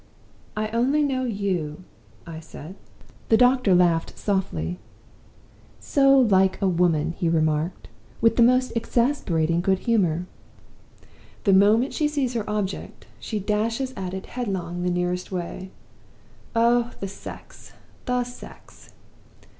"'I only know you,' I said. "The doctor laughed softly. 'So like a woman!' he remarked, with the most exasperating good humor. 'The moment she sees her object, she dashes at it headlong the nearest way. Oh, the sex! the sex!